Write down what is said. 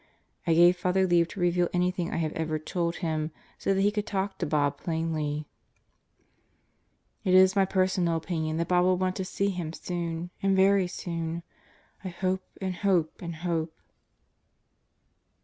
I gave Father leave to reveal any thing I have ever told him so that he could talk to Bob plainly. 186 God Goes to Murderer's Row It is my personal opinion that Bob will want to see him soon, and very soon, I hope and hope and hope.